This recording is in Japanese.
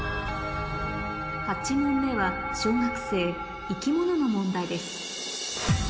８問目は小学生生き物の問題です